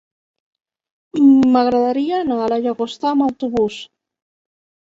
M'agradaria anar a la Llagosta amb autobús.